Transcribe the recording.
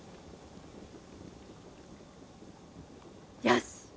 よし！